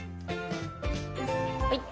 はい。